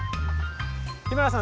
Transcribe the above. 日村さん